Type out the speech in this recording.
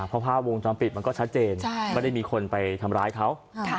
เพราะภาพวงจรปิดมันก็ชัดเจนไม่ได้มีคนไปทำร้ายเขา